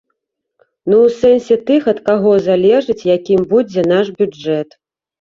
Ну, у сэнсе, тых, ад каго залежыць, якім будзе наш бюджэт.